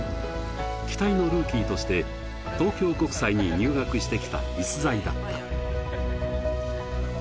期待のルーキーとして東京国際に入学してきた逸材だった。